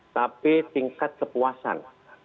tapi tingkat kepuasan